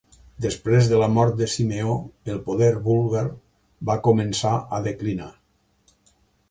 Després de la mort de Simeó el poder búlgar va començar a declinar.